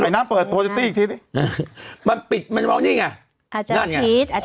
ไหนน้ำเปิดอีกทีนี้มันปิดมันมองนี่ไงอาจารย์พีชอาจารย์พีช